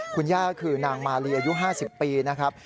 คุณย่าคือนางมาลีอายุ๕๐ปีนะครับ